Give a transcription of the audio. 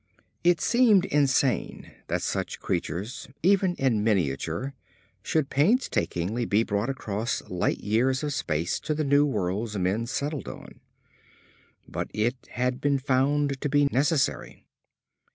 It seemed insane that such creatures, even in miniature, should painstakingly be brought across light years of space to the new worlds men settled on. But it had been found to be necessary.